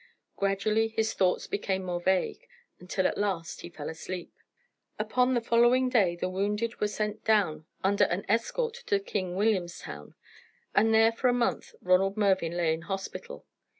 Gradually his thoughts became more vague, until at last he fell asleep. Upon the following day the wounded were sent down under an escort to King Williamstown, and there for a month Ronald Mervyn lay in hospital.